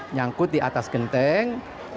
nyangkut di atas genteng